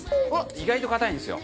意外と硬いんですよ。